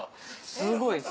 すごいです。